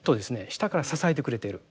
下から支えてくれている。